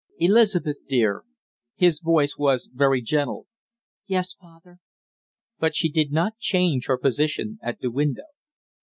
"Elizabeth dear!" his voice was very gentle. "Yes, father?" But she did not change her position at the window.